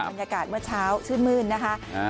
บรรยากาศเมื่อเช้าชื่นมื้นนะคะ